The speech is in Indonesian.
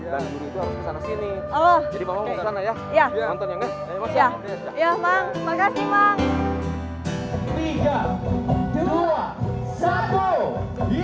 dan juri itu harus ke sana sini